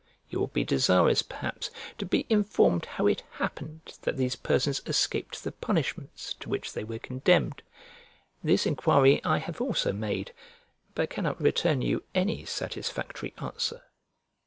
You will be desirous, perhaps, to be informed how it happened that these persons escaped the punishments to which they were condemned. This enquiry I have also made, but cannot return you any satisfactory answer.